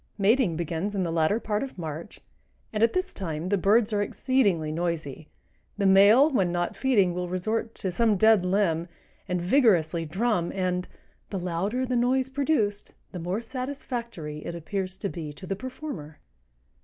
Mating begins in the latter part of March, and at this time the birds are exceedingly noisy. The male when not feeding will resort to some dead limb and vigorously drum and "the louder the noise produced, the more satisfactory it appears to be to the performer."